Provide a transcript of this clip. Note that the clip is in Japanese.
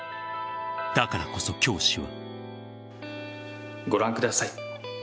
だからこそ、教師は。